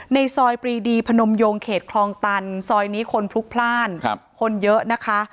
ในซอยปรีดีพนมโยงเขตคลองตันซอยนี้คนพลุกพลาดคนเยอะนะคะ